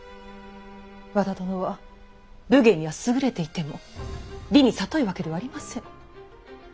和田殿は武芸には優れていても利にさといわけではありません。